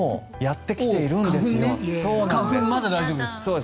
花粉、まだ大丈夫です。